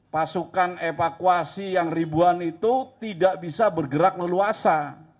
pasukan evakuasi yang ribuan itu tidak bisa bergerak leluasa